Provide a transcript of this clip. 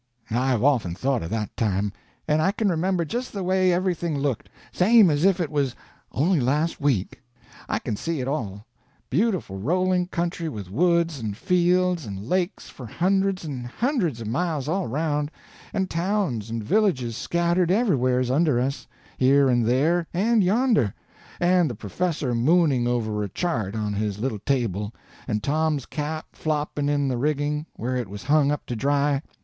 I've often thought of that time, and I can remember just the way everything looked, same as if it was only last week. I can see it all: beautiful rolling country with woods and fields and lakes for hundreds and hundreds of miles all around, and towns and villages scattered everywheres under us, here and there and yonder; and the professor mooning over a chart on his little table, and Tom's cap flopping in the rigging where it was hung up to dry.